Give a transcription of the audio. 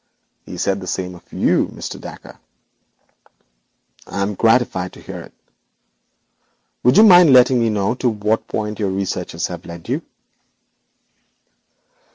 'He said the same of you, Mr. Dacre.' 'I am gratified to hear it. Would you mind letting me know to what point your researches have led you?'